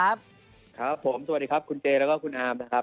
ครับครับผมสวัสดีครับคุณเจแล้วก็คุณอามนะครับ